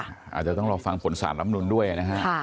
อาจจะต้องรอฟังผลสารลำนูนด้วยนะฮะ